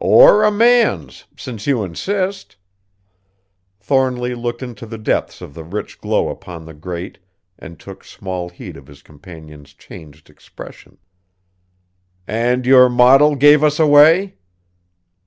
"Or a man's, since you insist." Thornly looked into the depths of the rich glow upon the grate and took small heed of his companion's changed expression. "And your model gave us away?"